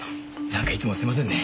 なんかいつもすいませんね。